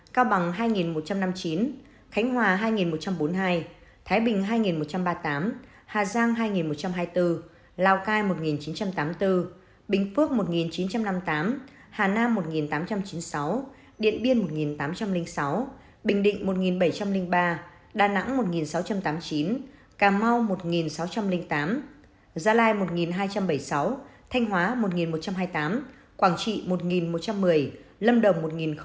cao bằng hai một trăm năm mươi chín khánh hòa hai một trăm bốn mươi hai thái bình hai một trăm ba mươi tám hà giang hai một trăm hai mươi bốn lào cai một chín trăm tám mươi bốn bình phước một chín trăm năm mươi tám hà nam một tám trăm chín mươi sáu điện biên một tám trăm linh sáu bình định một bảy trăm linh ba đà nẵng một sáu trăm tám mươi chín cà mau một sáu trăm linh tám gia lai một hai trăm bảy mươi sáu thanh hóa một một trăm hai mươi tám quảng trị một một trăm một mươi lâm đồng một tám mươi tám